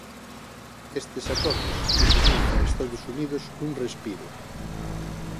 Estes acordos supoñían para Estados Unidos un respiro.